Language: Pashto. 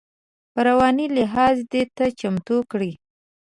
په رواني لحاظ دې ته چمتو کړي.